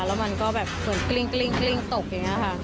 แล้วมันก็แบบเหมือนกลิ้งตกอย่างนี้ค่ะ